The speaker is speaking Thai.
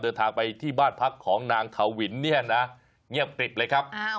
เดินทางไปที่บ้านพักของนางทวินเนี่ยนะเงียบกริบเลยครับ